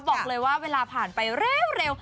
บอกเลยว่าเวลาผ่านไปเร็ว